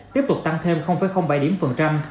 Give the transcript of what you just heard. tiếp tục tăng thêm bảy điểm phần trăm